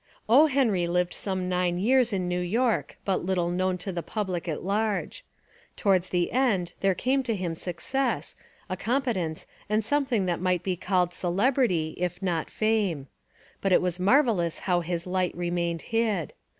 O. Henry lived some nine years in New York but little known to the public at large. Towards the end there came to him success, a competence and something that might be called celebrity if not fame. But it was marvellous how his light remained hid.